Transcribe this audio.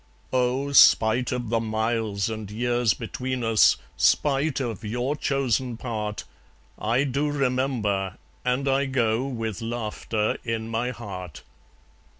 Oh! spite of the miles and years between us, Spite of your chosen part, I do remember; and I go With laughter in my heart.